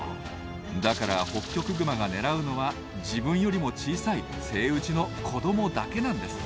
だからホッキョクグマが狙うのは自分よりも小さいセイウチの子どもだけなんです。